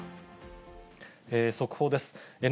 速報です。